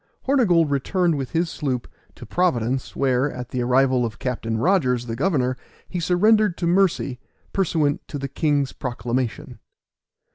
Hornygold returned with his sloop to Providence, where, at the arrival of Captain Rogers, the governor, he surrendered to mercy, pursuant to the king's proclamation.